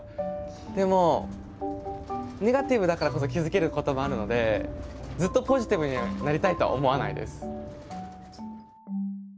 でもネガティブだからこそ気付けることもあるのでずっとポジティブになりたいとは思わないです。